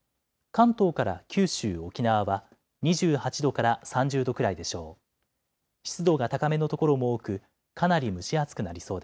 関東から九州、沖縄は２８度から３０度くらいでしょう。